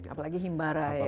apalagi himbara ya